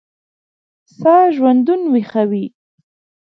ساه دژوندون ویښوي